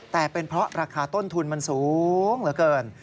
แต่เป็นเพราะราคาต้นทุนมันสูงเหลือเกิน